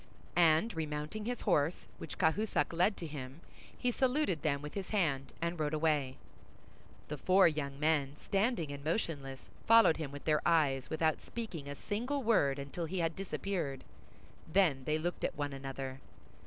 And remounting his horse, which Cahusac led to him, he saluted them with his hand, and rode away. The four young men, standing and motionless, followed him with their eyes without speaking a single word until he had disappeared. Then they looked at one another.